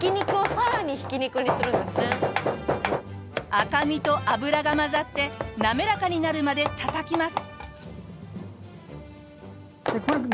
赤身と脂が混ざって滑らかになるまで叩きます。